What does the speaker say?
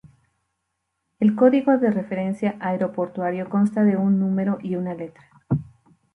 El código de referencia aeroportuario consta de un número y una letra.